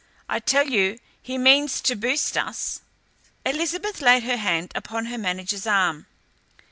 I tell you he means to boost us." Elizabeth laid her hand upon her manager's arm.